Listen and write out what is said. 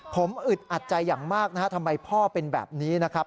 ผมอึดอัดใจอย่างมากนะฮะทำไมพ่อเป็นแบบนี้นะครับ